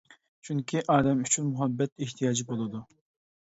چۈنكى ئادەم ئۈچۈن مۇھەببەت ئېھتىياجى بولىدۇ.